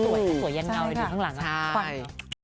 ไม่ได้ว่าเคมีเท่ากับทุกคนไว้ก่อนก็ดี